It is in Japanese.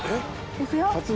いくよ。